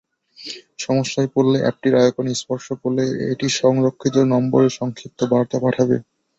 সমস্যায় পড়লে অ্যাপটির আইকনে স্পর্শ করলে এটি সংরক্ষিত নম্বরে সংক্ষিপ্ত বার্তা পাঠাবে।